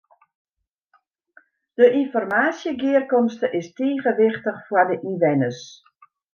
De ynformaasjegearkomste is tige wichtich foar de ynwenners.